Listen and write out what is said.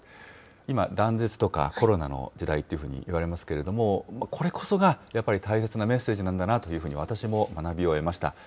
今、断絶とかコロナの時代というふうにいわれますけれども、これこそがやっぱり大切なメッセージなんだなというふうに私も学びを得ました。